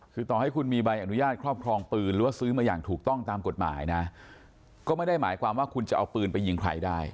คือต่อให้คุณมีใบอนุญาตครอบครองปืนหรือว่าซื้อมาอย่างถูกต้องตามกฎหมายนะก็ไม่ได้หมายความว่าคุณจะเอาปืนไปยิงใครได้